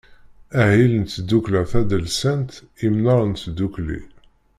Ahil n tddukkla tadelsant Imnar n Tdukli.